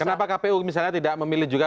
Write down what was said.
kenapa kpu misalnya tidak memilih juga